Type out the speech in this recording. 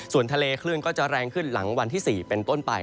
ส่วนทะเลคลื่นก็จะแรงขึ้นหลังวันที่๔เป็นต้นไป